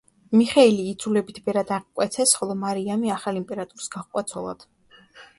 მიხეილი იძულებით ბერად აღკვეცეს, ხოლო მარიამი ახალ იმპერატორს გაჰყვა ცოლად.